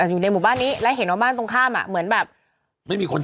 อยู่ในหมู่บ้านนี้แล้วเห็นว่าบ้านตรงข้ามอ่ะเหมือนแบบไม่มีคน